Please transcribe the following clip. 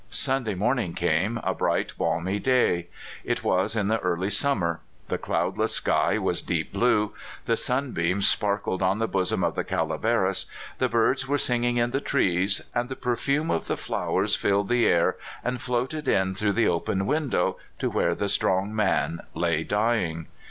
Sunday morning came, a bright, balmy day. ^ It was in the early summer. The cloudless sky was deep blue, the sunbeams sparkled on the bosom of the Calaveras, the birds were singing in the trees, and the perfume of the flowers filled the air and floated in through the open window to where the strong man lay dying.